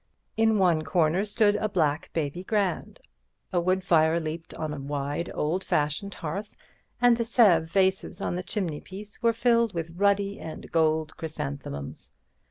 In one corner stood a black baby grand, a wood fire leaped on a wide old fashioned hearth, and the Sèvres vases on the chimneypiece were filled with ruddy and gold chrysanthemums.